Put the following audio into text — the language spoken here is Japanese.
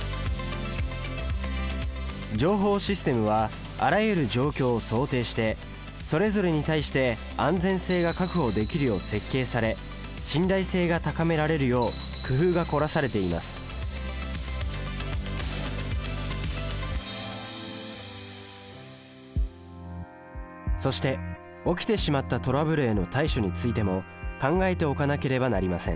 情報システムはあらゆる状況を想定してそれぞれに対して安全性が確保できるよう設計され信頼性が高められるよう工夫が凝らされていますそして起きてしまったトラブルへの対処についても考えておかなければなりません。